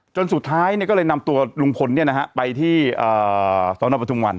จนสุดท้ายเนี่ยก็เลยนำตัวลุงพลเนี่ยนะฮะไปที่เอ่อสอนประทุมวัน